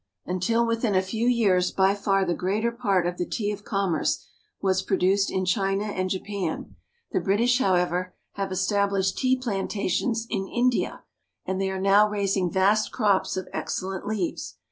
Until within a few years by far the greater part of the tea of commerce was produced in China and Japan. The British, however, have established tea plantations in India, and they are now raising vast crops of excellent leaves.